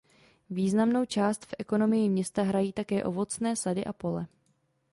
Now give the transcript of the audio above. Významnou část v ekonomii města hrají také ovocné sady a pole.